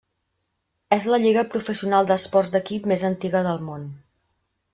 És la lliga professional d'esports d'equip més antiga del món.